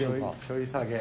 ちょい下げ。